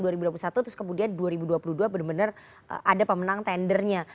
terus kemudian dua ribu dua puluh dua benar benar ada pemenang tendernya